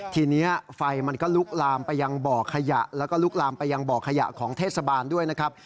ทีนี้ไฟมันก็ลุกลามไปยังบ่อขยะแล้วก็ลุกลามไปยังบ่อขยะของเทศบาลด้วยนะครับ